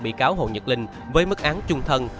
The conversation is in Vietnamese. bị cáo hồ nhật linh với mức án trung thân